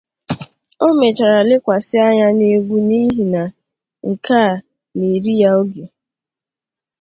O mechara lekwasị anya na egwu n'ihi na nke a na-eri ya oge.